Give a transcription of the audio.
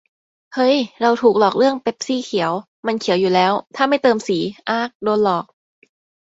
เฮ้ย เราถูกหลอกเรืองเป็ปซี่เขียว ! มันเขียวอยู่แล้ว ถ้าไม่เติมสี อ๊าก โดนหลอก